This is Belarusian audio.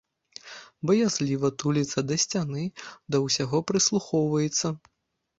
Баязліва туліцца да сцяны, да ўсяго прыслухоўваецца.